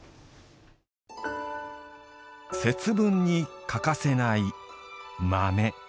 節分に欠かせない豆。